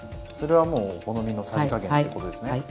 それはもうお好みのさじ加減ということですね。